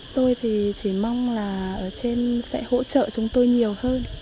tôi thì chỉ mong là ở trên sẽ hỗ trợ chúng tôi nhiều hơn